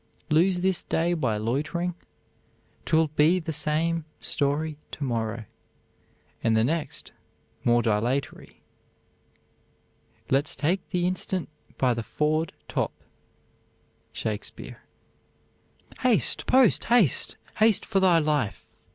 "Lose this day by loitering 't will be the same story tomorrow, and the next more dilatory." Let's take the instant by the forward top. SHAKESPEARE. "Haste, post, haste! Haste for thy life!"